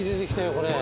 これ。